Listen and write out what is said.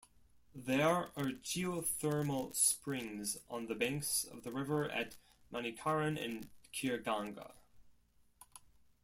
There are geothermal springs on the banks of the river at Manikaran and Khirganga.